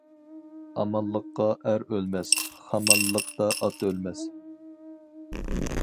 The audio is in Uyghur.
ئامانلىقتا ئەر ئۆلمەس، خامانلىقتا ئات ئۆلمەس.